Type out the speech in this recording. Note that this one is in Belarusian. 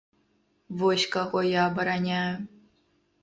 Вось каго я абараняю.